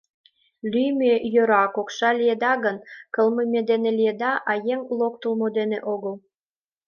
Лӱмӧ, йора, кокша лиеда гын, кылмыме дене лиеда, а еҥ локтылмо дене огыл.